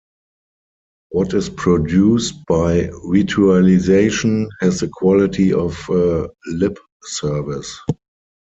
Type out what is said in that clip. What is produced by ritualisation, has the quality of a lip service.